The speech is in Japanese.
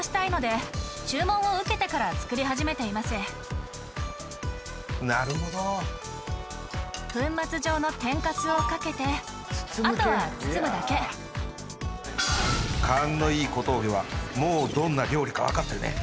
このへんやっぱり台湾だななるほど・粉末状の天かすをかけてあとは包むだけ勘のいい小峠はもうどんな料理かわかったよね？